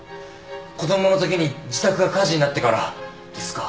子供のときに自宅が火事になってからですか？